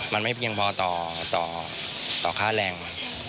มันไม่เพียงพอต่อค่าแรง